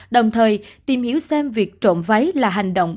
đồng thời tìm hiểu xem việc trộm váy là hành động